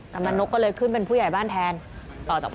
กำลังนกก็เลยขึ้นเป็นผู้ใหญ่บ้านแทนต่อจากบ้าน